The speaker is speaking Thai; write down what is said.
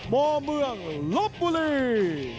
มอเมืองรับบุรี